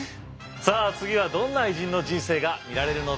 さあ次はどんな偉人の人生が見られるのでしょうか。